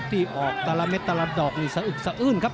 ดีออกตลาดดอกต้องยกซะอื่นครับ